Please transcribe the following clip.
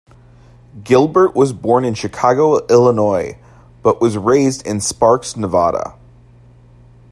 Gilbert was born in Chicago, Illinois, but was raised in Sparks, Nevada.